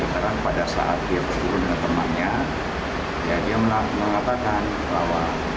karena pada saat dia berkurun dengan temannya dia mengatakan bahwa